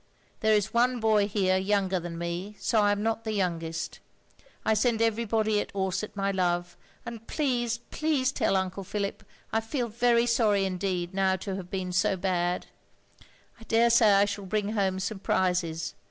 There is one boy hear yonger than me, so I am not the yongest. I send everybody at Orsett my love, and plese plese tell Uncle Philip I fele very sorry indeed now to have been so bad. I deresay I shall bring home some prizes.